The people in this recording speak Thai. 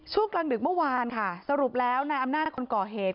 ช่วงกลางดึกเมื่อวานค่ะสรุปแล้วนายอำนาจคนก่อเหตุ